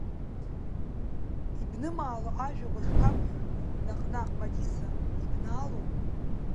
Ибнымаало ажәақәа шԥабҳәои, наҟ-наҟ, Маҵиса, ибнаалом!